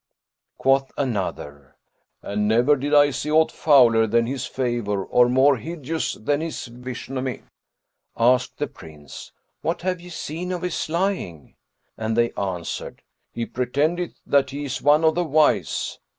Quoth another, "And never did I see aught fouler than his favour or more hideous than his visnomy." Asked the Prince. "What have ye seen of his lying?"; and they answered, "He pretendeth that he is one of the wise!